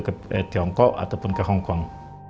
ke tiongkok ataupun ke hongkong